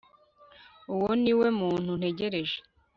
Uwo niwe muntu ntegereje